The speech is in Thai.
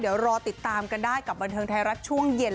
เดี๋ยวรอติดตามกันได้กับบันเทิงไทยรัฐช่วงเย็น